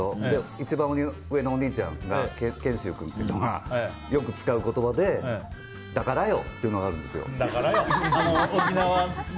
一番上のお兄ちゃん、賢秀君がよく使う言葉でだからよっていう言葉があるんです。